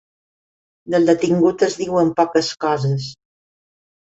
Del detingut es diuen poques coses.